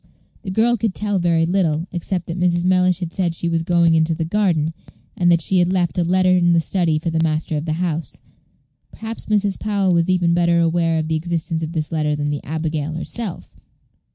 The girl could tell very little, except that Mrs. Mellish had said that she was going into the garden, and that she had left a letter in the study for the master of the house. Perhaps Mrs. Powell was even better aware of the existence of this letter than the abigail herself.